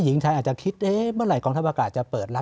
หญิงไทยอาจจะคิดเอ๊ะเมื่อไหร่กองทัพอากาศจะเปิดรับ